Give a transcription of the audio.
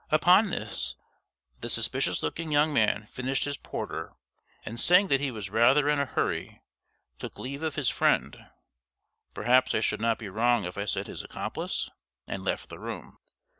Upon this, the suspicious looking young man finished his porter, and saying that he was rather in a hurry, took leave of his friend (perhaps I should not be wrong if I said his accomplice?), and left the room.